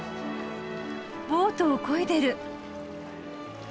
ボートをこいでる。